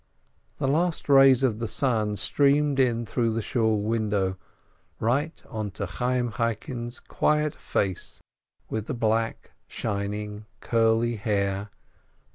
The last rays of the Bun streamed in through the Shool window, right onto Chayyim Chaikin's quiet face with the black, shining, curly hair, the.